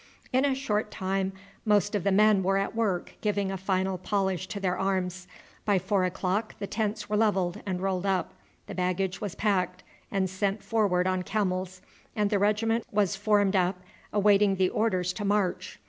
In a short time most of the men were at work giving a final polish to their arms. By four o'clock the tents were levelled and rolled up, the baggage was packed and sent forward on camels, and the regiment was formed up awaiting the orders to march.